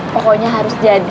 pokoknya harus jadi